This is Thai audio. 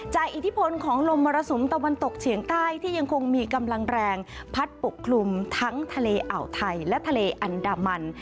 อิทธิพลของลมมรสุมตะวันตกเฉียงใต้ที่ยังคงมีกำลังแรงพัดปกคลุมทั้งทะเลอ่าวไทยและทะเลอันดามัน